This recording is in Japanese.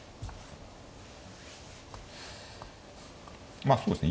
まあそうですね。